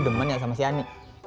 lo demen gak sama si ani